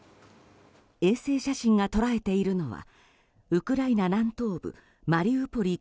衛星写真が捉えているのはウクライナ南東部マリウポリ